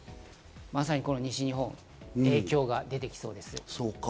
まさに西日本に影響が出てきそうです。